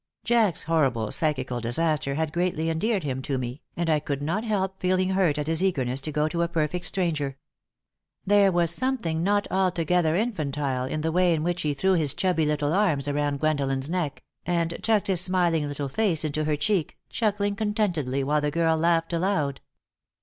Jack's horrible psychical disaster had greatly endeared him to me, and I could not help feeling hurt at his eagerness to go to a perfect stranger. There was something not altogether infantile in the way in which he threw his chubby little arms around Gwendolen's neck and tucked his smiling little face into her cheek, chuckling contentedly, while the girl laughed aloud.